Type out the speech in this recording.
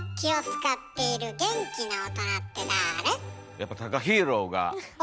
やっぱタカヒロが。